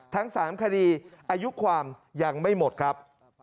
ทั้ง๓คดีอายุความยังไม่หมดครับ